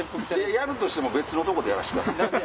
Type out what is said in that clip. やるとしても別のとこでやらしてください。